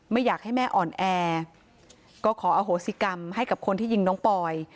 ไม่อยากให้แม่อ่อนแอก็ขออโหสิกรรมให้กับคนที่ยิงน้องปอย